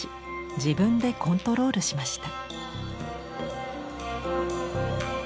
自分でコントロールしました。